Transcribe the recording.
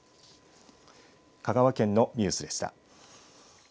香川県のニュースでした。